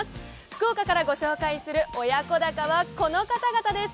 福岡からご紹介する親子鷹はこの方々です。